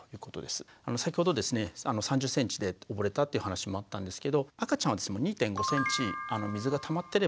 先ほどですね３０ｃｍで溺れたっていう話もあったんですけど赤ちゃんは２．５ｃｍ水がたまってれば溺れる可能性がある。